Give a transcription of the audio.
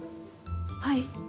はい。